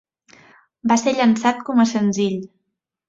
Va ser llançat com a senzill.